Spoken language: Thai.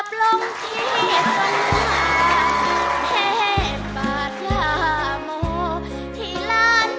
เพลงที่๕เพลงมาครับ